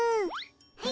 はい。